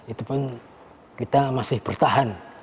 itu pun kita masih bertahan